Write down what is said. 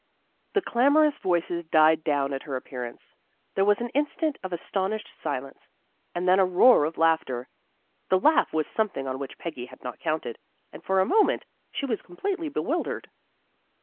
The clamorous voices died down at her appearance. There was an instant of astonished silence, and then a roar of laughter. The laugh was something on which Peggy had not counted, and for a moment, she was completely bewildered.